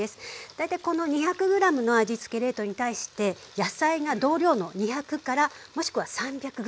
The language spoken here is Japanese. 大体この２００ｇの味つけ冷凍に対して野菜が同量の２００からもしくは３００ｇ。